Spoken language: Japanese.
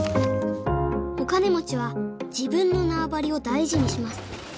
お金持ちは自分の縄張りを大事にします